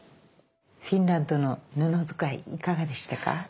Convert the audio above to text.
フィンランドの布使いいかがでしたか？